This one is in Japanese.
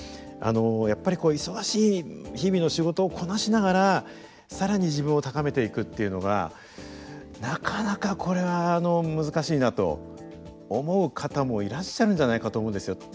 あのやっぱりこう忙しい日々の仕事をこなしながら更に自分を高めていくっていうのがなかなかこれは難しいなと思う方もいらっしゃるんじゃないかと思うんですよ。